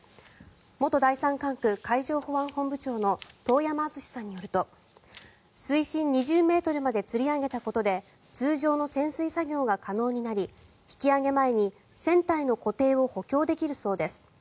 元第三管区海上保安本部長の遠山純司さんによると水深２０ｍまでつり上げたことで通常の潜水作業が可能になり引き揚げ前に船体の固定を補強できるそうです。